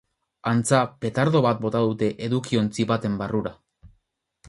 Antza, petardo bat bota dute edukiontzi baten barrura.